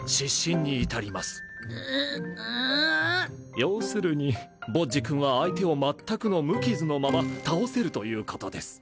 要するにボッジ君は相手をまったくの無傷のまま倒せるということです。